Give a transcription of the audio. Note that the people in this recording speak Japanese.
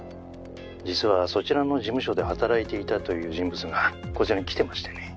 実はそちらの事務所で働いていたという人物がこちらに来てましてね。